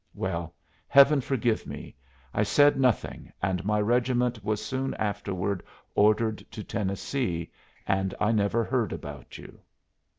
Well, Heaven forgive me! I said nothing, and my regiment was soon afterward ordered to Tennessee and I never heard about you."